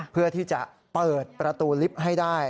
เพื่อที่จะเปิดประตูลิฟต์ให้ได้